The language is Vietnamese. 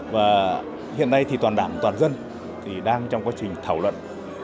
và hiện nay thì toàn đảng toàn dân thì đang trong quá trình thảo luận